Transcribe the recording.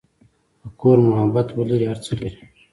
که کور محبت ولري، هر څه لري.